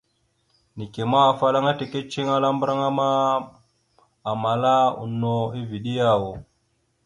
Neke ma, afalaŋa ana taka ceŋelara mbarŋa ma, amala no eveɗe yaw ?